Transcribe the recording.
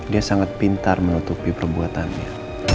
dia sangat pintar menutupi perbuatannya